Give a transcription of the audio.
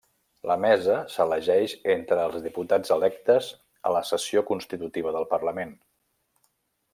La Mesa s'elegeix entre els diputats electes a la sessió constitutiva del Parlament.